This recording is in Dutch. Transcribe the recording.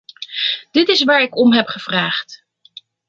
Dit is waar ik om heb gevraagd.